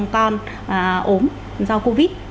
con ốm do covid